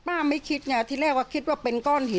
ไม่คิดไงที่แรกว่าคิดว่าเป็นก้อนหิน